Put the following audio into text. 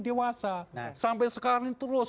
dewasa sampai sekarang ini terus